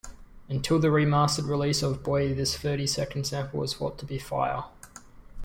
Until the remastered release of "Boy", this thirty-second sample was thought to be "Fire.